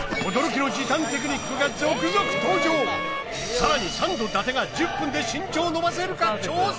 さらにサンド伊達が１０分で身長を伸ばせるか挑戦！